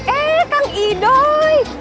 eh kang idoi